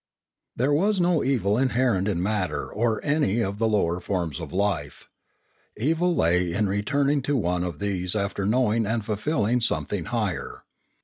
There was no evil inherent in matter or any of the lower forms of life. Evil lay in returning to one of these after knowing and fulfilling something higher.